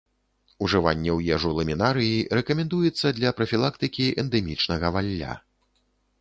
Ужыванне ў ежу ламінарыі рэкамендуецца для прафілактыкі эндэмічнага валля.